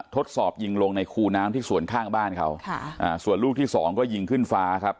ทดสอบยิงลงในคูน้ำที่ส่วนข้างบ้านเขาค่ะอ่าส่วนลูกที่สองก็ยิงขึ้นฟ้าครับ